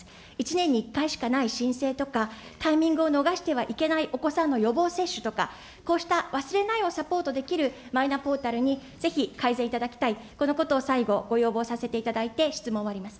１年に１回しかない申請とか、タイミングを逃してはいけないお子さんの予防接種とか、こうした忘れないをサポートできるマイナポータルにぜひ改善していただきたい、このことを最後、ご要望させていただいて質問を終わります。